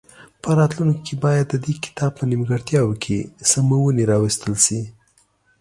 په راتلونکي کې باید د دې کتاب په نیمګړتیاوو کې سمونې راوستل شي.